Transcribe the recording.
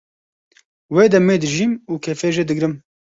wê demê dijîm û kêfê jê digrim